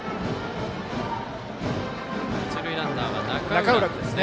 一塁ランナーは中浦君ですね。